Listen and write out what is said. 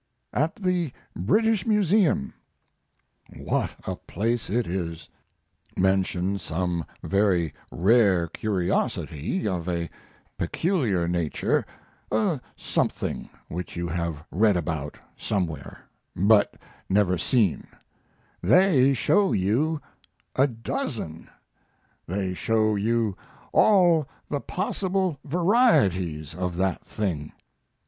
AT THE BRITISH MUSEUM What a place it is! Mention some very rare curiosity of a peculiar nature a something which you have read about somewhere but never seen they show you a dozen! They show you all the possible varieties of that thing!